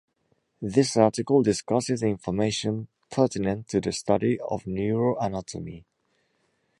This article discusses information pertinent to the "study" of neuroanatomy.